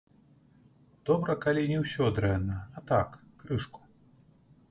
Добра, калі не ўсё дрэнна, а так, крышку.